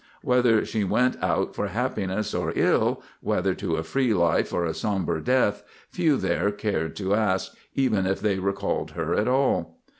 Whether she went out for happiness or ill, whether to a free life or a sombre death, few there cared to ask, even if they recalled her at all.